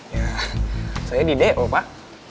ya saya di del pak